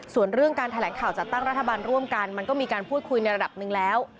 ส่วนเรื่องการแถลงข่าวจัดตั้งรัฐบาลร่วมกันมันก็มีการพูดคุยในระดับหนึ่งแล้ว